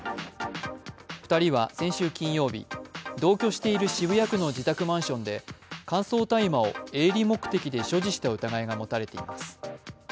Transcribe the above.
２人は先週金曜日、同居している渋谷区の自宅マンションで乾燥大麻を営利目的で所持した疑いが持たれています。